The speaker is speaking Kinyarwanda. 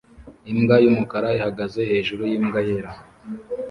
Imbwa yumukara ihagaze hejuru yimbwa yera